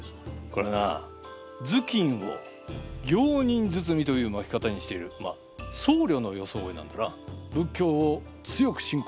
これはな頭巾を行人包みという巻き方にしている僧侶の装いなんだな。